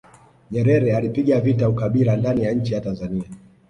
nyerere alipiga vita ukabila ndani ya nchi ya tanzania